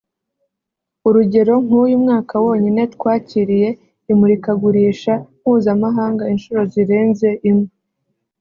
urugero nk’uyu mwaka wonyine twakiriye imurikagurisha mpuzamahanga incuro zirenze imwe